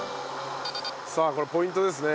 さあこれポイントですね。